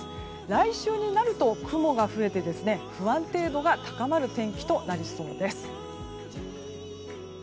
来週になると雲が増えて不安定度が高まる天気となりそうです。